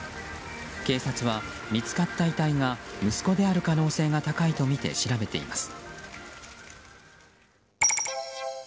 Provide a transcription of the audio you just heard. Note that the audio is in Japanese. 警察は見つかった遺体が息子である可能性が高いとみて調べています。